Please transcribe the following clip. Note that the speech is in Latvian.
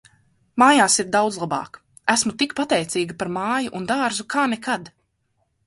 Mājās ir daudz labāk. Esmu tik pateicīga par māju un dārzu kā nekad.